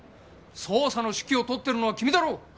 捜査の指揮を執っているのは君だろう！